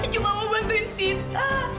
saya cuma mau bantuin sita